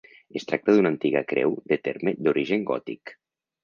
Es tracta d'una antiga creu de terme d'origen gòtic.